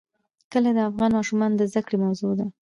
کلي د افغان ماشومانو د زده کړې موضوع ده.